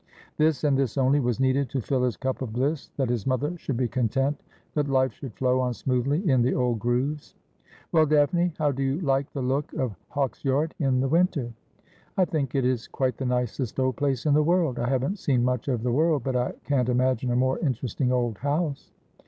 This and this only was needed to fill his cup of bliss : that his mother should be content, that life should flow on smoothly in the old grooves. ' Well, Daphne, how do you like the look of Hawksyard in the winter ?'' I think it is quite the nicest old place in the world. I haven't seen much of the world ; but I can't imagine a more interesting old house.'